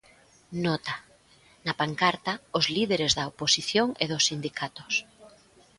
Nota: na pancarta, os líderes da oposición e dos sindicatos.